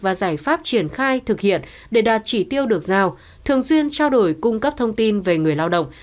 và giải pháp triển khai thực hiện để đạt chỉ tiêu được giao thường xuyên trao đổi cung cấp thông tin về người lao động